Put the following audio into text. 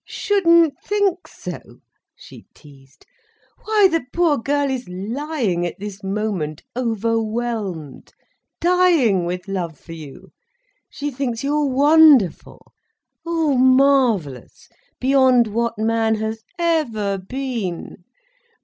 "Shouldn't think so!" she teased. "Why the poor girl is lying at this moment overwhelmed, dying with love for you. She thinks you're wonderful—oh marvellous, beyond what man has ever been.